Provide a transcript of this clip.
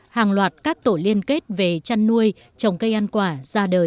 hàng loạt các tổ liên kết về chăn nuôi trồng cây ăn quả ra đời